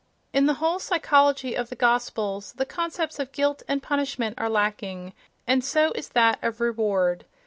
In the whole psychology of the "Gospels" the concepts of guilt and punishment are lacking, and so is that of reward.